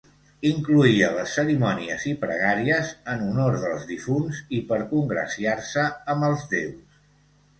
Incloïa les cerimònies i pregàries en honor dels difunts i per congraciar-se amb els déus.